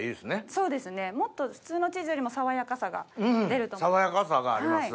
そうですねもっと普通のチーズよりも爽やかさが出ると思います。